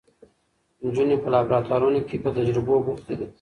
نجونې په لابراتوارونو کې په تجربو بوختې دي.